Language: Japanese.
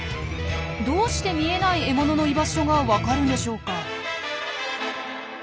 どうして見えない獲物の居場所がわかるんでしょうか？